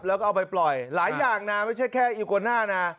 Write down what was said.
แล้วก็เอาไปปล่อยหลายอย่างนะไม่ใช่แค่อิโกน่านะ